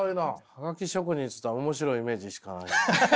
ハガキ職人っていったら面白いイメージしかない。